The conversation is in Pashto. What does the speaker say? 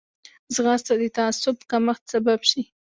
ځغاسته د تعصب کمښت سبب شي